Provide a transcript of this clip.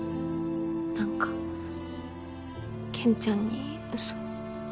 何かけんちゃんにうそ。